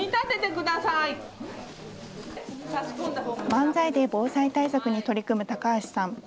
漫才で防災対策に取り組む高橋さん。